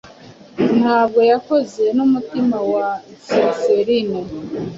Ntabwo yakoze Numutima wa cincerine,